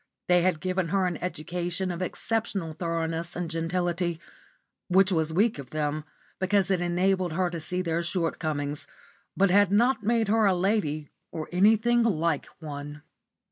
They had given her an education of exceptional thoroughness and gentility; which was weak of them, because it enabled her to see their shortcomings, but had not made her a lady or anything like one.